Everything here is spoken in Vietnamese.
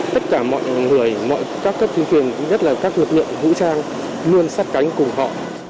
tất cả mọi người mọi các tuyên truyền rất là các lực lượng vũ trang luôn sát cánh cùng họ